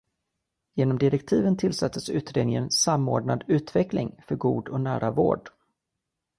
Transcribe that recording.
Genom direktiven tillsattes utredningen Samordnad utveckling för god och nära vård.